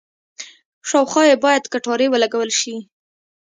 شاوخوا یې باید کټارې ولګول شي.